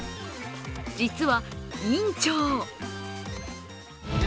実は、院長。